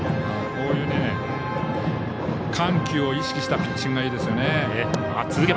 こういう緩急を意識したピッチングがいいですよね。